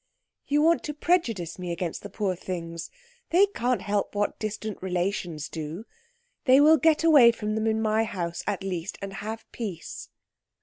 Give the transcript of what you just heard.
"You want to prejudice me against these poor things. They can't help what distant relations do. They will get away from them in my house, at least, and have peace."